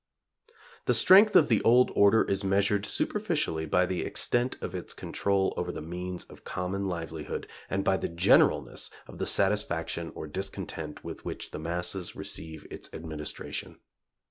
The strength of the old order is measured superficially by the extent of its control over the means of common livelihood and by the generalness of the satisfaction or discontent with which the masses receive its administration.